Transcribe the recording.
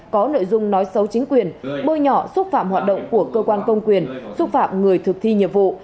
có nội dung nói xấu chính quyền bôi nhỏ xúc phạm hoạt động của cơ quan công quyền xúc phạm người thực thi nhiệm vụ